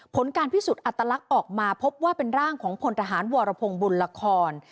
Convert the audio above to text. ผลการพิสูจน์อัตลักษณ์ออกมาพบว่าเป็นร่างของพลทหารวรพงศ์บุญละคร